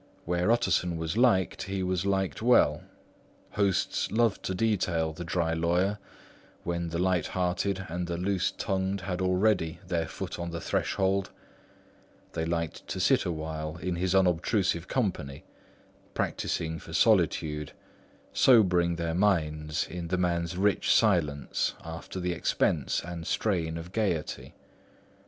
Where Utterson was liked, he was liked well. Hosts loved to detain the dry lawyer, when the light hearted and loose tongued had already their foot on the threshold; they liked to sit a while in his unobtrusive company, practising for solitude, sobering their minds in the man's rich silence after the expense and strain of gaiety.